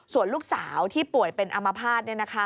ส่วนลูกสาวที่ป่วยเป็นอามภาษณ์